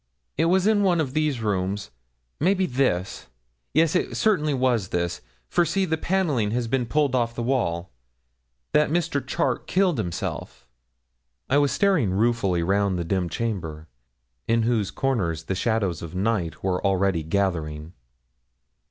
'It was in one of these rooms maybe this yes, it certainly was this for see, the panelling has been pulled off the wall that Mr. Charke killed himself.' I was staring ruefully round the dim chamber, in whose corners the shadows of night were already gathering.